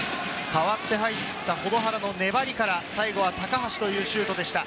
代わった入った保土原の粘りから最後は高橋というシュートでした。